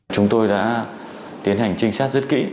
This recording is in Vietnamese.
chúng tôi đã tiến hành trinh sát rất kĩ